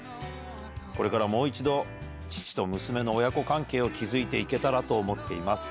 これからもう一度、父と娘の親子関係を築いていけたらと思っています。